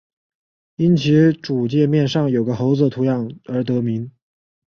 因其主界面上有个猴子图样而得名。